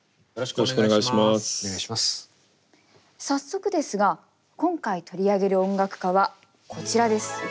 早速ですが今回取り上げる音楽家はこちらです。